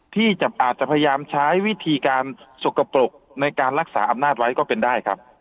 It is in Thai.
ที่อาจจะพยายามใช้วิธีการสกปรกในการรักษาอำนาจไว้ก็เป็นได้ครับ